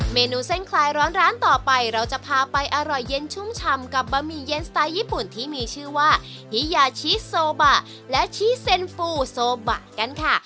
เมนูเส้นคลายร้อนร้านต่อไปเราจะพาไปอร่อยเย็นชุ่มชำกับบะหมี่เย็นสไตล์ญี่ปุ่นที่มีชื่อว่าฮิยาชิโซบะและชิเซ็นฟูโซบะกันค่ะ